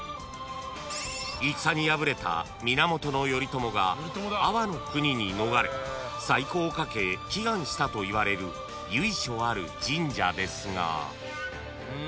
［戦に敗れた源頼朝が安房国に逃れ再興をかけ祈願したといわれる由緒ある神社ですが］